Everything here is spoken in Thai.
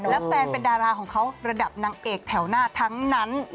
และแฟนเป็นดาราของเขาระดับนางเอกแถวหน้าทั้งนั้น